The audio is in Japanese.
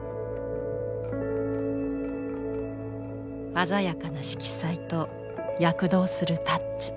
鮮やかな色彩と躍動するタッチ。